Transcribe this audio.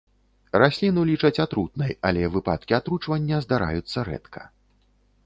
Расліну лічаць атрутнай, але выпадкі атручвання здараюцца рэдка.